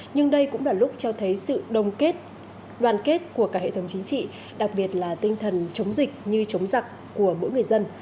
nhưng đây cũng là lúc cho thấy sự đồng kết đoàn kết của cả hệ thống chính trị đặc biệt là tinh thần chống dịch như chống giặc của mỗi người dân